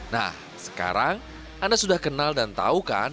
nah sekarang anda sudah kenal dan tahu kan